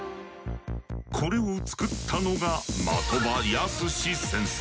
これを作ったのが的場やすし先生。